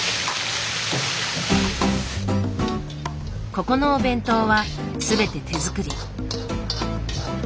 ここのお弁当はすべて手作り。